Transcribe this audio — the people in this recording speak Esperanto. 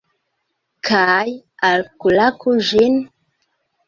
Kaj... alklaku ĝin?